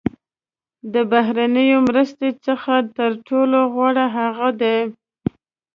د بهرنیو مرستو څخه تر ټولو غوره هغه دي.